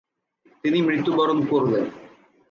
তিনি মৃত্যুবরণ করলেন।